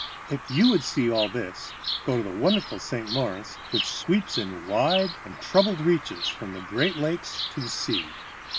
If you would see all this, go to the wonderful St. Lawrence, which sweeps in wide and troubled reaches from the Great Lakes to the sea.